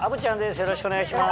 よろしくお願いします。